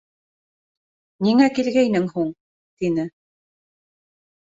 — Ниңә килгәйнең һуң? — тине.